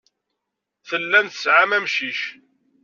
Tellam tesɛam amcic.